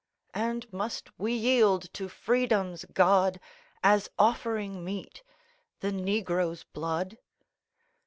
And must we yield to Freedom's God, As offering meet, the negro's blood?